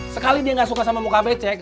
sekali dia nggak suka sama muka becek